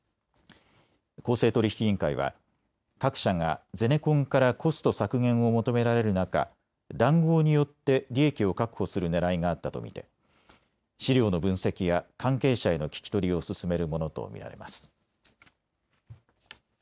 公正取引委員会は各社がゼネコンからコスト削減を求められる中、談合によって利益を確保するねらいがあったと見て資料の分析や関係者への聞き取りを進めるものと見られます。